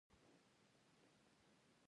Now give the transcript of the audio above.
نۀ ويريږي د ازار نه صنم ولې؟